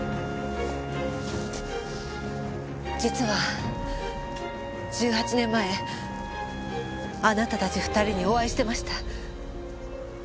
実は１８年前あなたたち２人にお会いしてました。